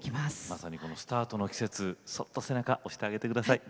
まさにこのスタートの季節そっと背中押してあげてください。